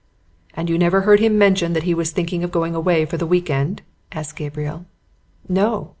"And you never heard him mention that he was thinking of going away for the week end?" asked Gabriel. "No!"